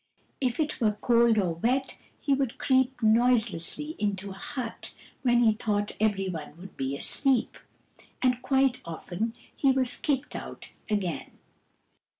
If it were cold or wet, he would creep noiselessly into a hut when he thought every one would be asleep — and quite often he was kicked out again.